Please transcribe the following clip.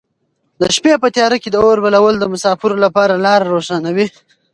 د شپې په تیاره کې د اور بلول د مساپرو لپاره لاره روښانوي.